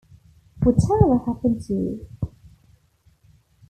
Whatever Happened to...